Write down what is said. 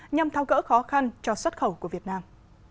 nhằm thao cỡ khó khăn cho xuất khẩu của việt nam